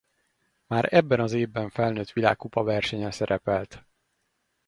Már ebben az évben felnőtt világkupa versenyen szerepelt.